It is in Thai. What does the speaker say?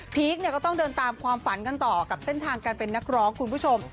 ก็ต้องเดินตามความฝันกันต่อกับเส้นทางการเป็นนักร้องคุณผู้ชม